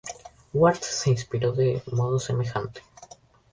Ward se inspiró de modo semejante.